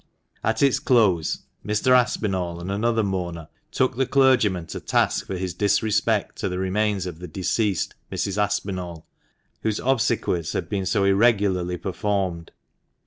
At its close, Mr. Aspinall and another mourner took the clergyman to task for his disrespect to the remains of the deceased Mrs. Aspinall, whose obsequies had been so irregularly performed.